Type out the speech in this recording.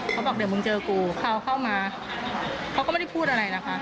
เขาบอกเดี๋ยวมึงเจอกูเขาเข้ามาเขาก็ไม่ได้พูดอะไรนะคะ